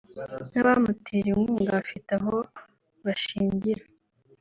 n’abamutera inkunga bafite aho bashingira